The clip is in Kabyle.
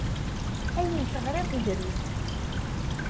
Ayen teɣriḍ drus.